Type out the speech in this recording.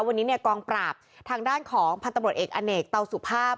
วันนี้เนี่ยกองปราบทางด้านของพันธบรวจเอกอเนกเตาสุภาพ